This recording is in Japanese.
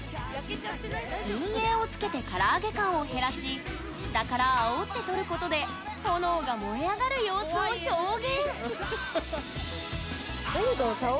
陰影をつけて唐揚げ感を減らし下からあおって撮ることで炎が燃え上がる様子を表現！